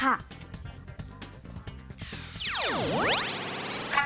ปลับตัวได้ค่ะ